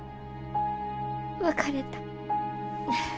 別れた。